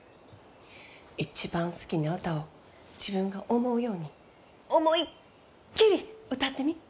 一番好きな歌を自分が思うように思いっきり歌ってみ。